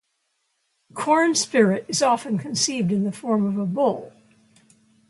The corn spirit is often conceived in the form of a bull.